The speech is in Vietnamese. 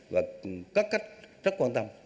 và các cách rất quan tâm